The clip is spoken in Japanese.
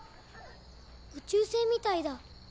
宇宙船みたいだ。